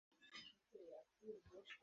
এতে করে ওর মনে কোনো প্রভাব পড়বে না।